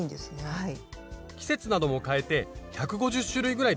はい。